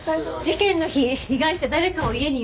事件の日被害者誰かを家に呼んでたわ。